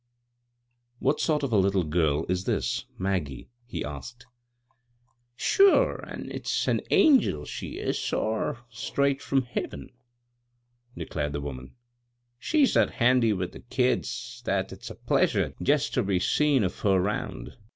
*' What sort of a little girl is this — Mag< gie ?" he asked »94 b, Google CROSS CURRENTS " Sure, an* it's a angel she is, sor, straight from hiven," declared the woman. "She's that handy with the kids that it's a pleasure jest ter be seein' of her 'round.